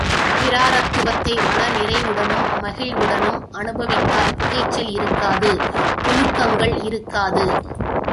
பிராரத்துவத்தை மன நிறைவுடனும், மகிழ்வுடனும் அனுபவித்தால் புகைச்சல் இருக்காது புழுக்கங்கள் இருக்காது.